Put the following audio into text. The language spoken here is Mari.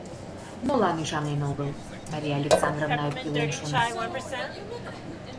Молан ӱшанен огыл?» — Мария Александровна ӧпкелен шона.